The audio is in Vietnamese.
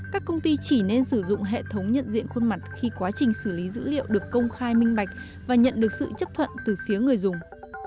các công ty chỉ nên sử dụng hệ thống nhận diện khuôn mặt khi quá trình xử lý dữ liệu được công khai minh bạch và nhận được sự chấp thuận từ phía người dùng